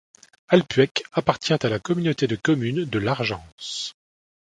Alpuech appartient à la communauté de communes de l'Argence.